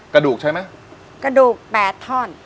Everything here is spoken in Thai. กระดูกใช่ไหม